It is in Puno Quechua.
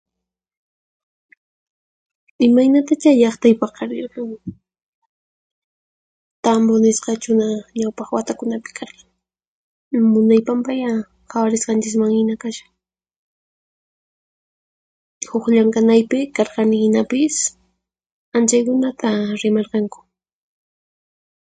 Imaynatachá llaqtay paqarirqan, tampu nisqachuna ñawpaq watakunapi karqan. Munay pampayá qhawarisqanchisman hina kashan. Huq llank'anaypi karqani hinapis anchaykunamanta rimarqanku.